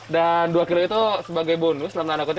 dan dua kilo itu sebagai bonus dalam tanda kutip